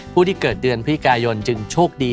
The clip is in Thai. ผู้ที่เกิดเดือนพิกายนจึงโชคดี